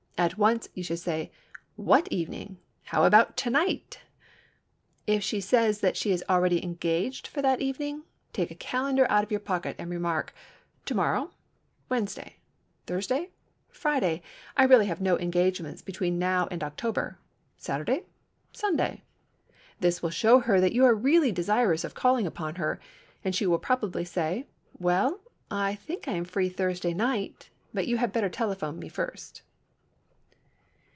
At once you should say, "What evening? How about to night?" If she says that she is already engaged for that evening, take a calendar out of your pocket and remark, "Tomorrow? Wednesday? Thursday? Friday? I really have no engagements between now and October. Saturday? Sunday?" This will show her that you are really desirous of calling upon her and she will probably say, "Well, I think I am free Thursday night, but you had better telephone me first."